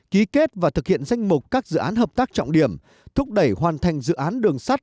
ký kết và thực hiện danh mục các dự án hợp tác trọng điểm thúc đẩy hoàn thành dự án đường sắt